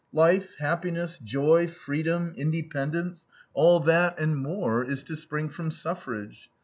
Life, happiness, joy, freedom, independence, all that, and more, is to spring from suffrage.